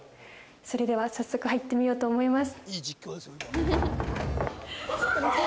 それでは早速入ってみようと思います